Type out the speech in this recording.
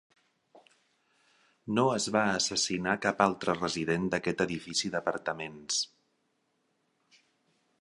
No es va assassinar cap altre resident d"aquest edifici d"apartaments.